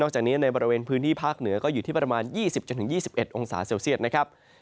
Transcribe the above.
จากนี้ในบริเวณพื้นที่ภาคเหนือก็อยู่ที่ประมาณ๒๐๒๑องศาเซลเซียตนะครับ